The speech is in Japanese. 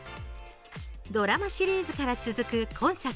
ドラマシリーズから続く今作。